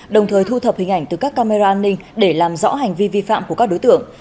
đồng thời thu thập hình ảnh từ các camera an ninh để làm rõ hành vi vi phạm của các đối tượng